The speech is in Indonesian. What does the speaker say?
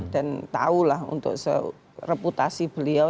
dan tahulah untuk reputasi beliau